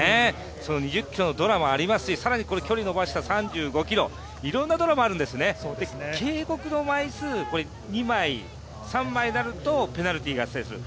その２０ｋｍのドラマありますし更に距離を延ばした３５ｋｍ、いろんなドラマあるんですね警告の枚数、２枚、３枚になるとペナルティーが発生する。